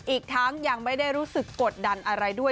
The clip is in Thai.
อีกทั้งยังไม่ได้รู้สึกกดดันอะไรด้วย